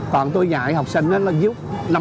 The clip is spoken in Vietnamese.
còn tôi dạy học sinh nó dứt